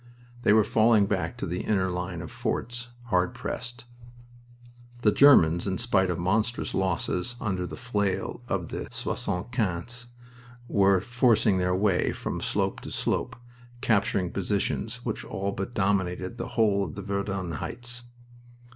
They were falling back to the inner line of forts, hard pressed. The Germans, in spite of monstrous losses under the flail of the soixante quinzes, were forcing their way from slope to slope, capturing positions which all but dominated the whole of the Verdun heights.